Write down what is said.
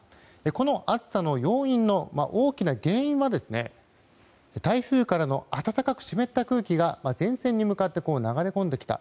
この暑さの要因の大きな原因は台風からの暖かく湿った空気が前線に向かって流れ込んできた。